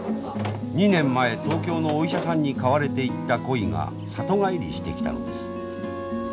２年前東京のお医者さんに買われていった鯉が里帰りしてきたのです。